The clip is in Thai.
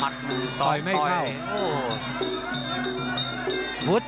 ซอยไม่เข้า